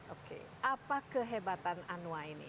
oke apa kehebatan anua ini